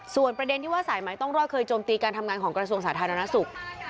ส่วนประเด็นที่ว่าสายไม้ต้องรอดเคยโจมตีการทำงานของกระทรวงสาธารณสุข